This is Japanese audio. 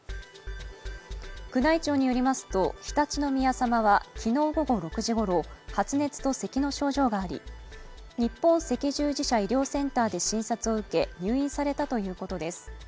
宮内庁によりますと、常陸宮さまは昨日午後６時ごろ、発熱とせきの症状があり日本赤十字社医療センターで診察を受け入院されたということです。